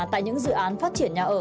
tại những dự án phát triển nhà ở